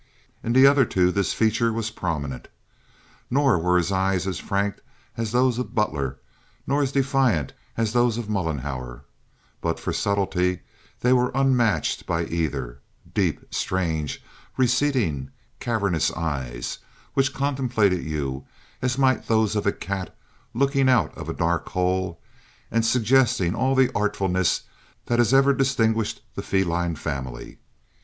In the other two this feature was prominent. Nor were his eyes as frank as those of Butler, nor as defiant as those of Mollenhauer; but for subtlety they were unmatched by either—deep, strange, receding, cavernous eyes which contemplated you as might those of a cat looking out of a dark hole, and suggesting all the artfulness that has ever distinguished the feline family.